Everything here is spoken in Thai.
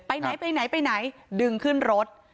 ไหนไปไหนไปไหนดึงขึ้นรถ